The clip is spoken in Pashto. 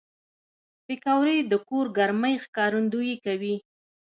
پکورې د کور ګرمۍ ښکارندويي کوي